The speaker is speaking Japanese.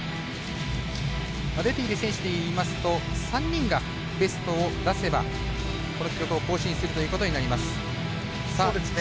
出ている選手でいえば３人がベストを出せばこの記録を更新するということになります。